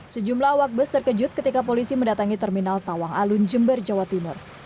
sejumlah awak bus terkejut ketika polisi mendatangi terminal tawang alun jember jawa timur